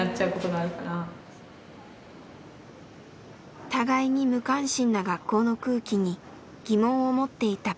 互いに無関心な学校の空気に疑問を持っていたマユミ。